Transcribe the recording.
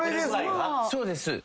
そうです。